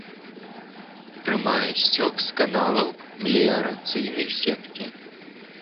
Прымае сцёк з каналаў меліярацыйнай сеткі.